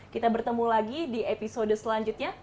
kita bertemu lagi di episode selanjutnya